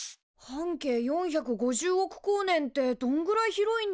半径４５０億光年ってどんぐらい広いんだろ？